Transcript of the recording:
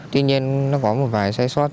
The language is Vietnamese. tuy nhiên nó có một vài sai suất